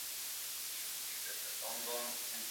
که ماشوم له پیله ښه ولیکي نو راتلونکی یې روښانه وي.